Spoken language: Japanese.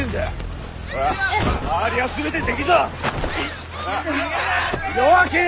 ほら周りは全て敵ぞ！